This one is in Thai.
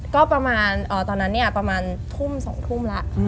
ก็ประมาณตอนนั้นเนี่ยประมาณทุ่ม๒ทุ่มแล้ว